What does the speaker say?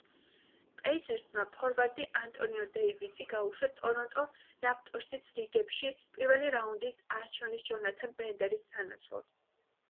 პეისერსმა ფორვარდი ანტონიო დეივისი გაუშვა ტორონტო რაპტორსის რიგებში პირველი რაუნდის არჩევნის ჯონათან ბენდერის სანაცვლოდ.